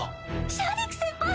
シャディク先輩！